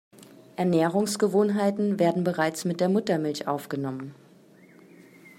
Ernährungsgewohnheiten werden bereits mit der Muttermilch aufgenommen.